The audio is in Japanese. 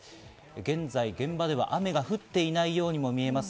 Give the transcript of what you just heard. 現在、現場では雨が降っていないようにも見えます。